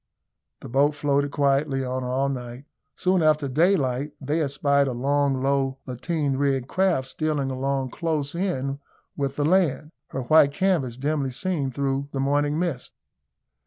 The boat floated quietly on all night. Soon after daylight they espied a long, low, lateen rigged craft stealing along close in with the land her white canvas dimly seen through the morning mist.